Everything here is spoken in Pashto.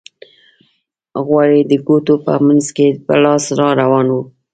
غوړ یې د ګوتو په منځ کې په لاس را روان وو.